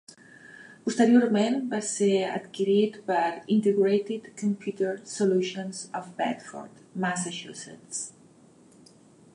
Posteriorment va ser adquirit per Integrated Computer Solutions of Bedford, Massachusetts.